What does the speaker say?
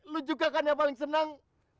lo juga kan yang paling seneng